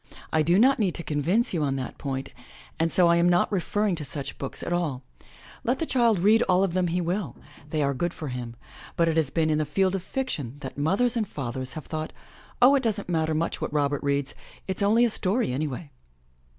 I do not need to convince you on that point and so I am not referring to such books at all. Let 200 THE LATCH KEY the child read all of them he will; they are good for him. But it has been in the field of fiction that mothers and fathers have thought, "Oh, it doesn't matter much what Robert reads — it's only a story anyway!''